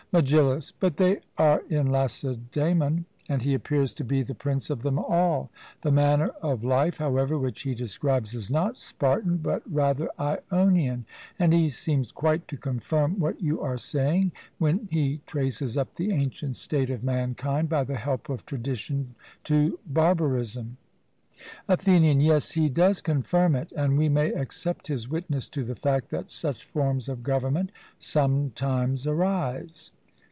MEGILLUS: But they are in Lacedaemon, and he appears to be the prince of them all; the manner of life, however, which he describes is not Spartan, but rather Ionian, and he seems quite to confirm what you are saying, when he traces up the ancient state of mankind by the help of tradition to barbarism. ATHENIAN: Yes, he does confirm it; and we may accept his witness to the fact that such forms of government sometimes arise.